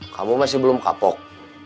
kamu masih belum kapok